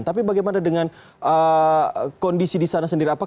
tapi bagaimana dengan kondisi di sana sendiri